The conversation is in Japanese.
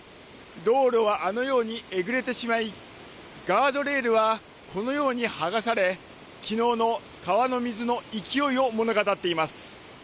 道路はあのようにえぐれてしまいガードレールはこのように剥がされ昨日の川の水の勢いを物語っています